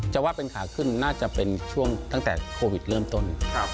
ว่าเป็นขาขึ้นน่าจะเป็นช่วงตั้งแต่โควิดเริ่มต้น